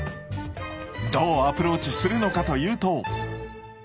どうアプローチするのかというと。